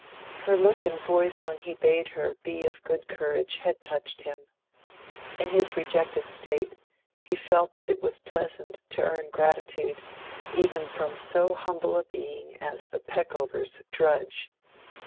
Her look and voice when he bade her be of good courage had touched him. In his rejected state, he felt that it was pleasant to earn gratitude even from so humble a being as the Peckovers' drudge.